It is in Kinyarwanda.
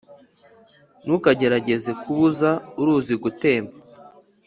ntukagerageze kubuza uruzi gutemba